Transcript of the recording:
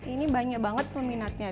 ini banyak banget peminatnya